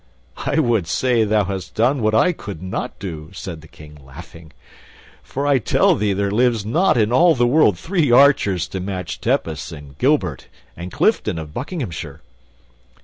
"I would say thou hast done what I could not do," said the King, laughing, "for I tell thee there lives not in all the world three archers to match Tepus and Gilbert and Clifton of Buckinghamshire."